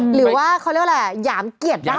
หรือว่าเขาเรียกว่าอะไรหยามเกียรติได้